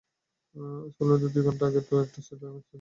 স্কটল্যান্ডের দুই ঘন্টা আগের একটা স্যাটেলাইট ইমেজ দিন তো!